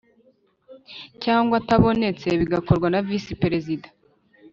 cyangwa atabonetse bigakorwa na Visi Perezida